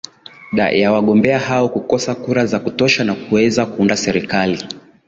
da ya wagombea hao kukosa kura za kutosha za kuweza kuunda serikali